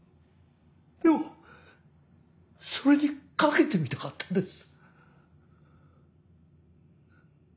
でもそれに懸けてみたかったんです。